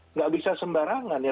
nggak bisa sembarangan ya